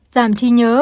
giảm chi nhớ